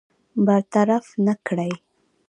برطرف نه کړي.